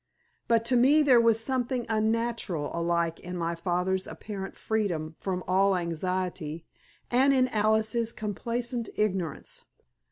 But to me there was something unnatural alike in my father's apparent freedom from all anxiety and in Alice's complacent ignorance.